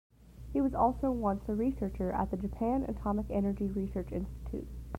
He was also once a researcher at the Japan Atomic Energy Research Institute.